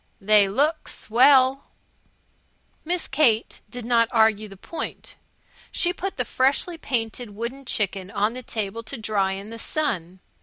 "They look swell." Miss Kate did not argue the point. She put the freshly painted wooden chicken on the table to dry in the sun.